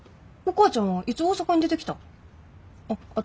お母ちゃんはいつ大阪に出てきたん？